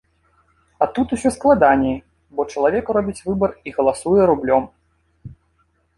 А тут усё складаней, бо чалавек робіць выбар і галасуе рублём!